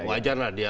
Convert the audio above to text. wajar lah dia